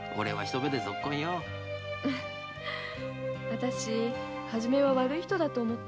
私初めは悪い人だと思った。